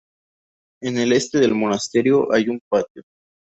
En el este del monasterio hay un patio.